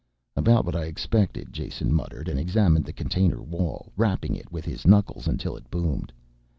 "About what I expected," Jason muttered and examined the container wall, rapping it with his knuckles until it boomed.